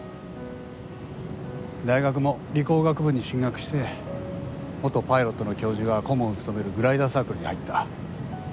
大学も理工学部に進学して元パイロットの教授が顧問を務めるグライダーサークルに入った。